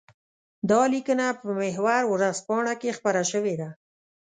دا ليکنه په محور ورځپاڼه کې خپره شوې ده.